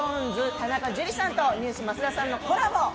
・田中樹さんとＮＥＷＳ・増田さんのコラボ。